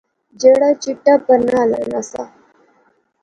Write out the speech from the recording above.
جیہڑا چٹا پرنا ہلانا سا